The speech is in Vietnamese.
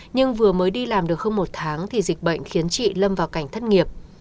nhưng vừa mới đi làm được hơn một tháng thì dịch bệnh khiến chị lâm vào cảnh thất nghiệp